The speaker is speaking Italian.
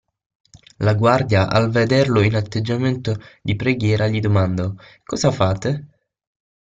La guardia al vederlo in atteggiamento di preghiera gli domandò: "Cosa fate?".